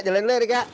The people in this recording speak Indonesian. jalan dulu rika